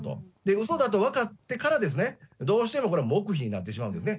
うそだと分かってからですね、どうしても黙秘になってしまうんですね。